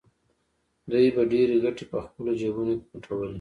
دوی به ډېرې ګټې په خپلو جېبونو کې پټولې